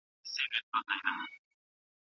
نیمه زنه یې ښکاریږي له حجابه